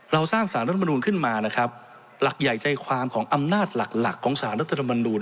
สร้างสารรัฐมนูลขึ้นมานะครับหลักใหญ่ใจความของอำนาจหลักหลักของสารรัฐธรรมนูล